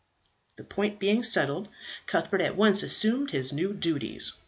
This point being settled, Cuthbert at once assumed his new duties.